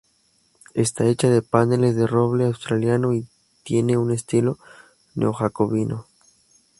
Está hecha de paneles de roble australiano y tiene un estilo neo-jacobino.